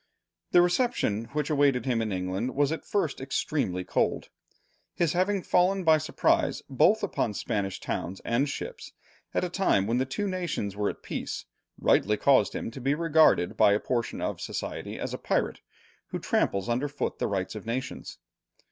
The reception which awaited him in England was at first extremely cold. His having fallen by surprise both upon Spanish towns and ships, at a time when the two nations were at peace, rightly caused him to be regarded by a portion of society as a pirate, who tramples under foot the rights of nations.